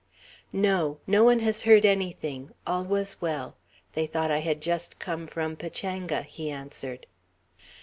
"No! No one has heard anything. All was well. They thought I had just come from Pachanga," he answered.